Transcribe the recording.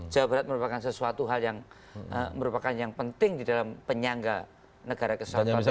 jawa barat merupakan sesuatu hal yang merupakan yang penting di dalam penyangga negara kesatuan